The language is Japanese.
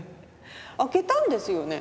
開けたんですよね？